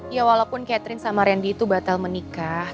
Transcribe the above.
ya walaupun catherine sama randy itu batal menikah